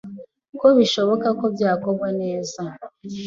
ko bishoboka ko byakorwa neza